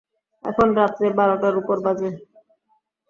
এখন রাত্র বারোটার উপর বাজে।